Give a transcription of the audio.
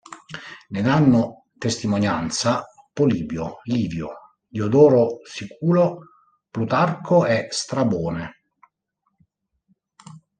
Ne danno testimonianza Polibio, Livio, Diodoro Siculo, Plutarco, e Strabone.